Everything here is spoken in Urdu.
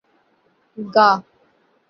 گا